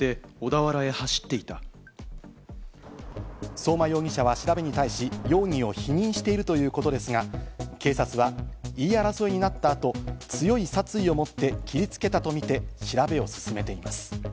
相馬容疑者は調べに対し、容疑を否認しているということですが、警察は言い争いになった後、強い殺意を持って切りつけたとみて調べを進めています。